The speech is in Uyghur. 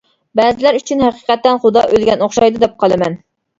بەزىلەر ئۈچۈن ھەقىقەتەن خۇدا ئۆلگەن ئوخشايدۇ دەپ قالىمەن.